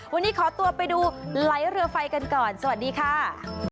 วันนี้ขอตัวไปดูไหลเรือไฟกันก่อนสวัสดีค่ะ